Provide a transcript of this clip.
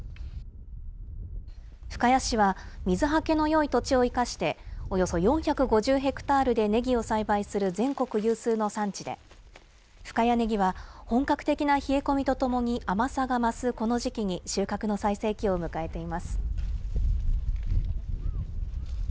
深谷市は水はけのよい土地を生かして、およそ４５０ヘクタールでねぎを栽培する全国有数の産地で、深谷ねぎは本格的な冷え込みとともに甘さが増すこの時期に、収穫の最盛期を迎えています。